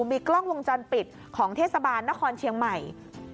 มีกล้องวงจรปิดของเทศบาลนครเชียงใหม่